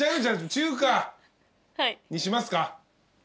じゃあ中華にしますか？